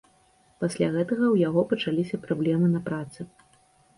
Пасля гэтага ў яго пачаліся праблемы на працы.